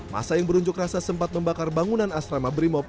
masa yang berunjuk rasa sempat membakar bangunan asrama brimob